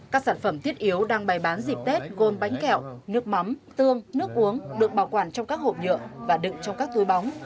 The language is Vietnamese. các sản phẩm thiết yếu đang bày bán dịp tết gồm bánh kẹo nước mắm tương nước uống được bảo quản trong các hộp nhựa và đựng trong các túi bóng